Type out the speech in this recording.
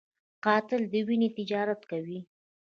قاتل د وینو تجارت کوي